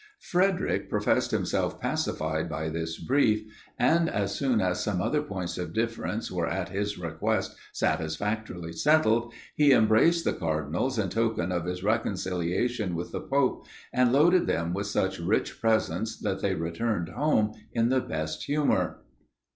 Frederic professed himself pacified by this brief; and, as soon as some other points of difference were at his request satisfactorily settled, he embraced the cardinals in token of his reconciliation with the pope; and loaded them with such rich presents that they returned home in the best humour.